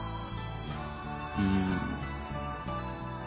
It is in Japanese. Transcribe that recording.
うん。